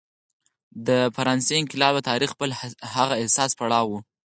د فرانسې انقلاب د تاریخ بل هغه حساس پړاو و.